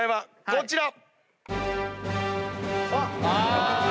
こちら。